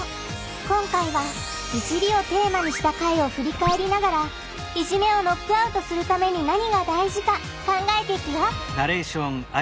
今回は「いじり」をテーマにした回をふりかえりながらいじめをノックアウトするために何が大事か考えていくよ